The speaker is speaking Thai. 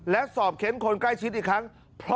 และสอบเค้นคนใกล้ชิดอีกครั้ง